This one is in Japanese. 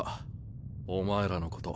お前らのこと。